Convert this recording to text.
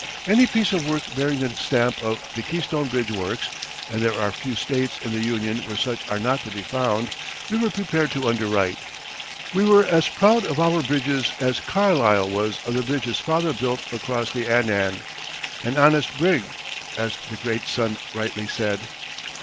Any piece of work bearing the stamp of the Keystone Bridge Works (and there are few States in the Union where such are not to be found) we were prepared to underwrite. We were as proud of our bridges as Carlyle was of the bridge his father built across the Annan. "An honest brig," as the great son rightly said.